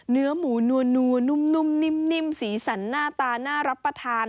เนื้อหมูนัวนุ่มนิ่มสีสันหน้าตาน่ารับประทาน